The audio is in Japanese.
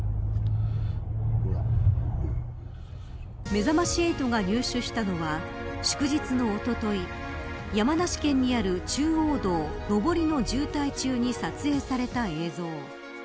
めざまし８が入手したのは祝日のおととい、山梨県にある中央道上りの渋滞中に撮影された映像。